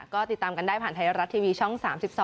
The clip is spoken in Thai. ก็ติดตามกันได้ผ่านไทยรัฐทีวีช่อง๓๒